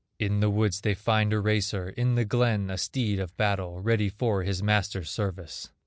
In the woods they find a race; In the glen a steed of battle, Ready for his master's service.